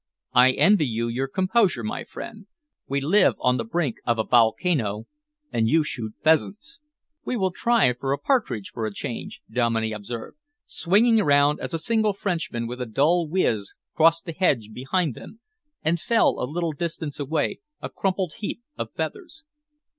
I envy you your composure, my friend. We live on the brink of a volcano, and you shoot pheasants." "We will try a partridge for a change," Dominey observed, swinging round as a single Frenchman with a dull whiz crossed the hedge behind them and fell a little distance away, a crumpled heap of feathers.